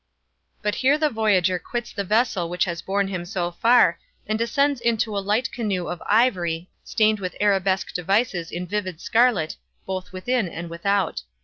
But here the voyager quits the vessel which has borne him so far, and descends into a light canoe of ivory, stained with arabesque devices in vivid scarlet, both within and without.